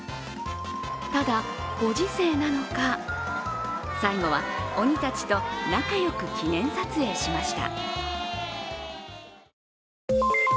ただ、ご時世なのか、最後は鬼たちと仲よく記念撮影しました。